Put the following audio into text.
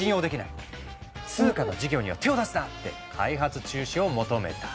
通貨の事業には手を出すな！」って開発中止を求めた。